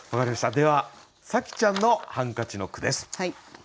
では紗季ちゃんの「ハンカチ」の句です。